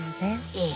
ええ。